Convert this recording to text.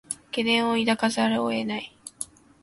懸念を抱かざるを得ない